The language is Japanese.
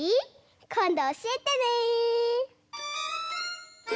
こんどおしえてね。